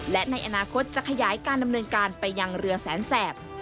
และในอนาคตจะขยายการดำเนินการไปยังเรือแสนแสบ